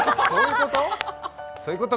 そういうこと？